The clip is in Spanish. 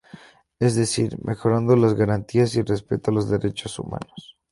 Es decir, mejorando las garantías y el respeto a los derechos humanos.